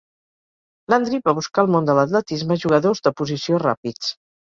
Landry va buscar al món de l'atletisme jugadors de posició ràpids.